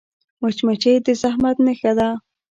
مچمچۍ د زحمت نښه ده